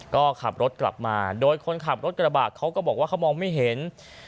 ก็ขับรถกลับมาโดยคนขับรถกระบะเขาก็บอกว่าเขามองไม่เห็น